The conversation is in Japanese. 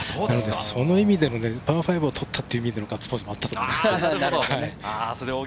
その意味でもパー５を取ったという意味でのガッツポーズもあったと思います。